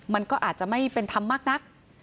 มันก็อาจจะไม่เป็นธรรมมากนัก